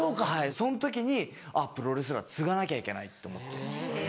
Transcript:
そん時にプロレスラー継がなきゃいけないって思って。